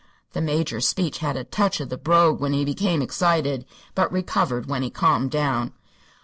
The Major's speech had a touch of the brogue when he became excited, but recovered when he calmed down.